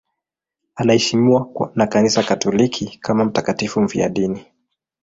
Anaheshimiwa na Kanisa Katoliki kama mtakatifu mfiadini.